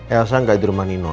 elsa nggak di rumah nino